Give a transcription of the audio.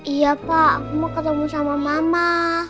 iya pak mau ketemu sama mama